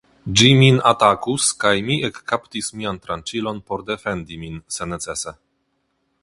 Ĝi min atakus kaj mi ekkaptis mian tranĉilon por defendi min, se necese.